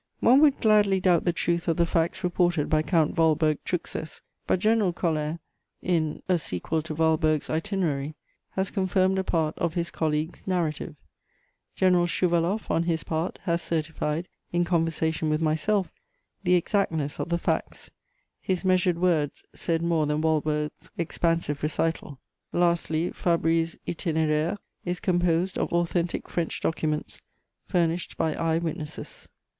One would gladly doubt the truth of the facts reported by Count Waldburg Truchsess, but General Koller, in a Sequel to Waldburgs Itinerary, has confirmed a part of his colleague's narrative; General Schouvaloff, on his part, has certified, in conversation with myself, the exactness of the facts: his measured words said more than Waldburg's expansive recital. Lastly, Fabry's Itinéraire is composed of authentic French documents furnished by eye witnesses. [Sidenote: His humiliation.